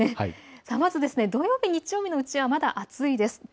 まず土曜日、日曜日のうちはまだ暑いです。